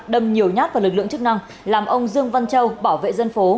đâm nhiều nhát vào lực lượng chức năng làm ông dương văn châu bảo vệ dân phố